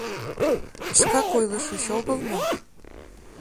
Шкак ойлышыч огыл мо?..